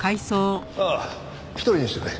ああ一人にしてくれ。